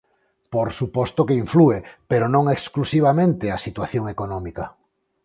Por suposto que inflúe, pero non exclusivamente a situación económica.